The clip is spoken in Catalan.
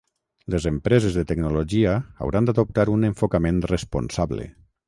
Les empreses de tecnologia hauran d'adoptar un enfocament responsable.